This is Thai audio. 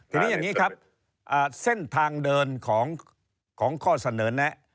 ทีนี้อย่างนี้ครับเส้นทางเดินของข้อเสนอแนะ